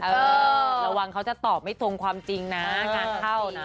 ระวังเขาจะตอบไม่ตรงความจริงนะงานเข้านะ